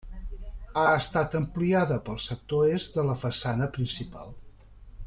Ha estat ampliada pel sector est de la façana principal.